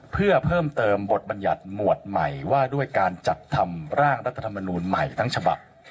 เพื่อเพิ่มเติมบทบัญญัติหมวดใหม่ว่าด้วยการจัดทำร่างรัฐธรรมนูลใหม่ทั้งฉบับ